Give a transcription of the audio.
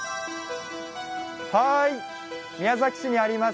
宮崎市にあります